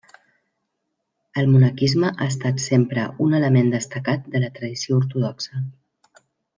El monaquisme ha estat sempre un element destacat de la tradició ortodoxa.